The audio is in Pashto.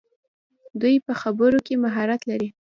دوی په خبرو کې مهارت لري.